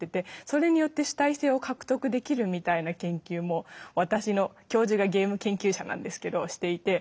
それによって主体性を獲得できるみたいな研究も私の教授がゲーム研究者なんですけどしていて。